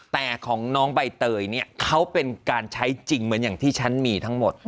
แต่ของน้องใบเตยเนี่ยเขาเป็นการใช้จริงเหมือนอย่างที่ฉันมีทั้งหมด